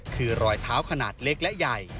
คือรอยเท้าขนาดเล็กและใหญ่